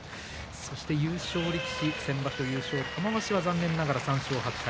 そして優勝力士先場所優勝、今場所は残念ながら３勝８敗